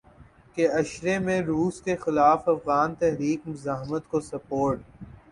کے عشرے میں روس کے خلاف افغان تحریک مزاحمت کو سپورٹ